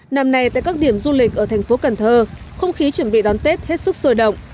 năm nay tại các điểm du lịch ở thành phố cần thơ không khí chuẩn bị đón tết hết sức sôi động